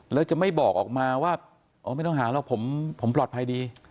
แล้วจะไม่บอกออกมาว่าอ๋อไม่ต้องหาหรอกผมปลอดภัยดี